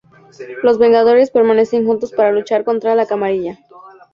Los Vengadores permanecen juntos para luchar contra la Camarilla.